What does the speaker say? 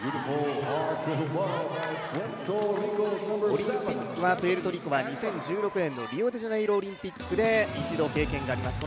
オリンピックはプエルトリコは２０１６年のリオデジャネイロオリンピックで１度経験があります。